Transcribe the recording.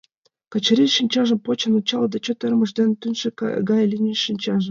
Качырий шинчажым почын ончале да чот ӧрмыж дене тӱҥшӧ гае лийын шинче.